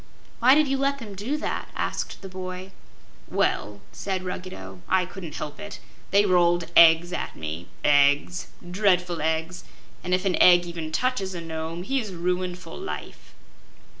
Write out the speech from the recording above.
"Why did you let them do that?" asked the boy. "Well," said Ruggedo, "I couldn't help it. They rolled eggs at me EGGS dreadful eggs! and if an egg even touches a Nome, he is ruined for life."